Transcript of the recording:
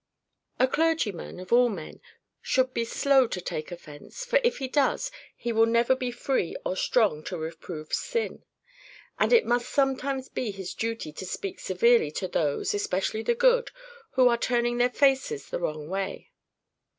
A clergyman, of all men, should be slow to take offence, for if he does, he will never be free or strong to reprove sin. And it must sometimes be his duty to speak severely to those, especially the good, who are turning their faces the wrong way.